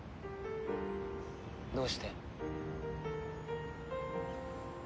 どうして？